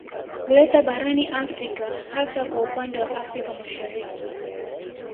Kuleta barani Afrika hasa kwa upande wa Afrika Mashariki